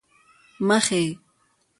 مخې،